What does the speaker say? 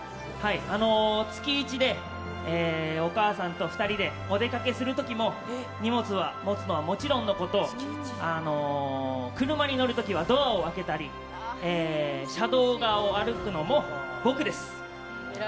月１でお母さんと２人でお出かけする時も荷物は持つのはもちろんのこと車に乗る時はドアを開けたり車道側を歩くのも僕です。